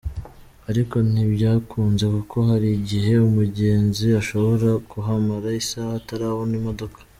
Ariko ntibyakunze kuko hari igihe umugenzi ashobora kuhamara isaha atarabona imodoka.